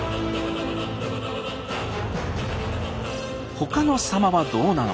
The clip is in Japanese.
他の狭間はどうなのか。